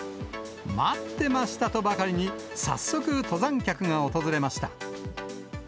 待ってましたとばかりに、早速登山客が訪れました。